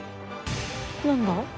何だ？